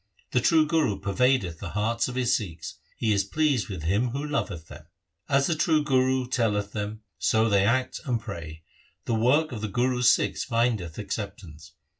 The true Guru pervadeth the hearts of his Sikhs ; he is pleased with him who loveth them. As the true Guru telleth them, so they act and pray ; the work of the Guru's Sikhs findeth acceptance.